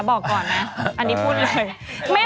อันนี้พูดเลย